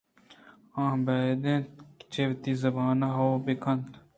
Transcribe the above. آ باید اِنت چہ وتی زبان ءَ ہئو بہ کنت